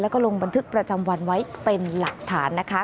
แล้วก็ลงบันทึกประจำวันไว้เป็นหลักฐานนะคะ